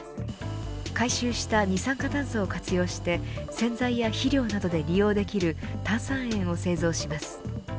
回収した二酸化炭素を活用して洗剤や肥料などで利用できる炭酸塩を製造します。